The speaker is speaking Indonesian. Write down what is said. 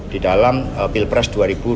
di dalam pilpres dua ribu dua puluh